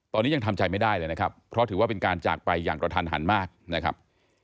ตอนนี้ยังทำใจไม่ได้เลยนะครับเพราะถือว่าเป็นการจากไปอย่างกระทันหันมากนะครับ